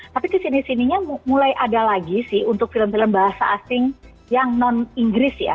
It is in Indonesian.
tapi kesini sininya mulai ada lagi sih untuk film film bahasa asing yang non inggris ya